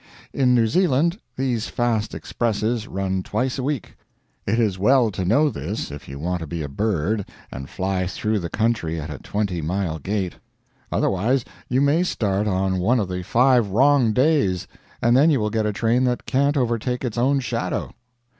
In New Zealand, these fast expresses run twice a week. It is well to know this if you want to be a bird and fly through the country at a 20 mile gait; otherwise you may start on one of the five wrong days, and then you will get a train that can't overtake its own shadow.